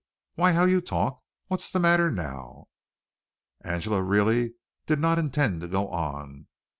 Why, how you talk! What's the matter now?" Angela really did not intend to go on.